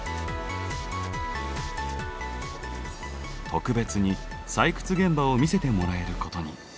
特別に採掘現場を見せてもらえることに。